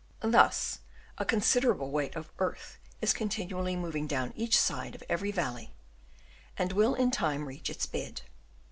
Thus a considerable weight of earth is continually moving down each side of every valley, and will in time reach its bed.